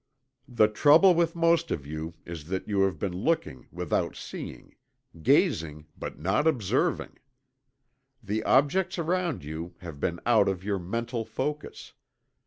The trouble with most of you is that you have been looking without seeing gazing but not observing. The objects around you have been out of your mental focus.